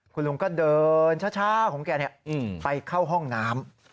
คุณลุงก็เดินช้าของแกไปเข้าห้องน้ำ